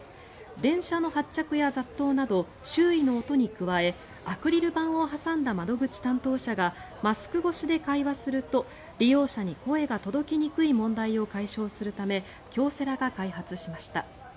電車の発着や雑踏など周囲の音に加えアクリル板を挟んだ窓口担当者がマスク越しで会話すると利用者に声が届きにくい問題を解消するため京セラが開発しました。